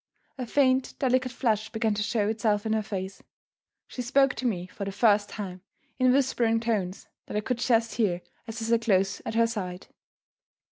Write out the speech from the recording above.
A faint, delicate flush began to show itself in her face. She spoke to me, for the first time, in whispering tones that I could just hear as I sat close at her side.